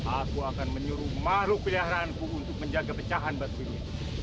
aku akan menyuruh makhluk piliharaanku untuk menjaga pecahan batu biru ini